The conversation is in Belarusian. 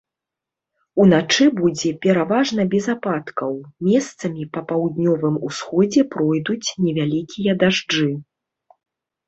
Уначы будзе пераважна без ападкаў, месцамі па паўднёвым усходзе пройдуць невялікія дажджы.